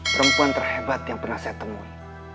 perempuan terhebat yang pernah saya temui